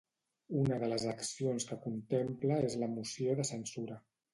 Una de les accions que contempla és la moció de censura.